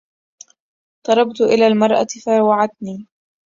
طربت إلى المراة فروعتني